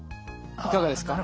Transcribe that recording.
いかがですか？